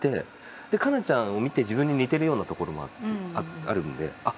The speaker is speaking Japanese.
で哉中ちゃんを見て自分に似てるようなところもあるのであっ